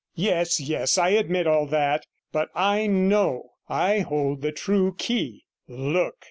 Yes, yes, I admit all that; but I know I hold the true key. Look!'